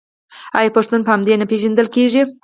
آیا پښتون په همدې نه پیژندل کیږي؟